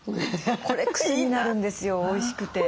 これくせになるんですよおいしくて。